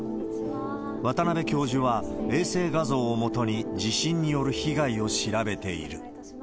渡邉教授は、衛星画像を基に、地震による被害を調べている。